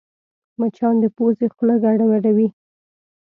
مچان د پوزې خوله ګډوډوي